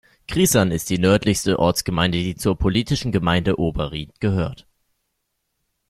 Kriessern ist die nördlichste Ortsgemeinde, die zur politischen Gemeinde Oberriet gehört.